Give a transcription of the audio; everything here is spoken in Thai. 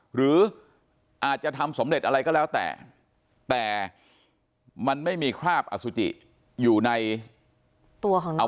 หรืออาจจะทำสำเร็จอะไรก็แล้วแต่แต่มันไม่มีคราบอสุจิอยู่ในตัวของน้อง